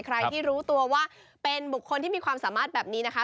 ใครที่รู้ตัวว่าเป็นบุคคลที่มีความสามารถแบบนี้นะคะ